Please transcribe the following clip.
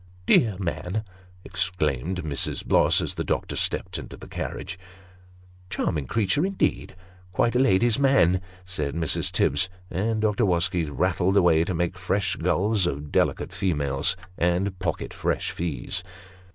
" Dear man 1 " exclaimed Mrs. Bloss, as the doctor stepped into his carriage. " Charming creature indeed quite a lady's man !" said Mrs. Tibbs, and Dr. Wosky rattled away to make fresh gulls of delicate females, and pocket fresh fees.